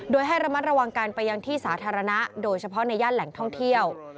โดยให้ระมัดระวังกันไปยังที่สาธารณะโดยเฉพาะในย่านแหล่งท่องเที่ยว